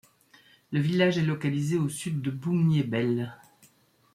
Le village est localisé au Sud de Boumnyébel.